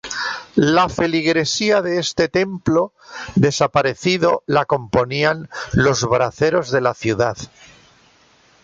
La feligresía de este templo desaparecido la componían los braceros de la ciudad.